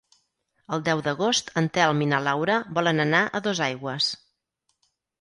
El deu d'agost en Telm i na Laura volen anar a Dosaigües.